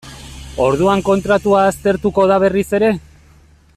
Orduan kontratua aztertuko da berriz ere?